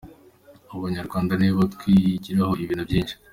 Abanyarwanda ni abo kwigirwaho ibintu byinshi.